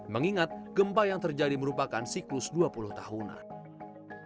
mengingat gempa yang terjadi merupakan siklus dua puluh tahunan